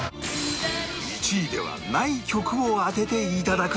１位ではない曲を当てていただくのは